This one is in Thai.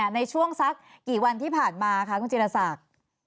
ในช่วงสักกี่วันที่ผ่านมาคะคุณจิรศักดิ์